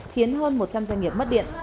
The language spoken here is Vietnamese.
khiến hơn một trăm linh doanh nghiệp mất điện